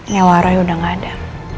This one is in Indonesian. nyawarai sudah tidak ada